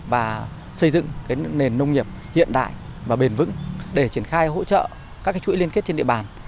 và xây dựng nền nông nghiệp hiện đại và bền vững để triển khai hỗ trợ các chuỗi liên kết trên địa bàn